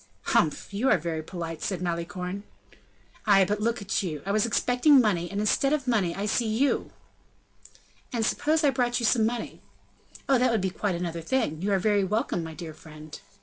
"Humph! you are very polite!" said Malicorne. "Ay, but look you, I was expecting money, and, instead of money, I see you." "And suppose I brought you some money?" "Oh! that would be quite another thing. You are very welcome, my dear friend!"